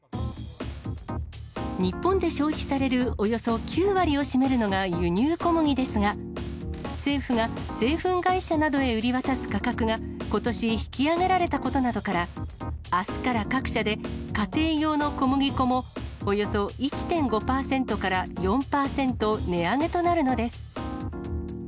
日本で消費されるおよそ９割を占めるのが輸入小麦ですが、政府が製粉会社などへ売り渡す価格が、ことし引き上げられたことなどから、あすから各社で家庭用の小麦粉も、およそ１．５％から４％値上げとなるのです。